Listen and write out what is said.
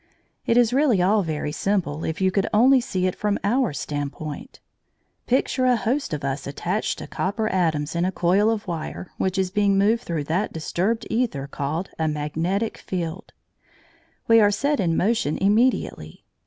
It is really all very simple if you could only see it from our standpoint. Picture a host of us attached to copper atoms in a coil of wire which is being moved through that disturbed æther called a magnetic field. We are set in motion immediately.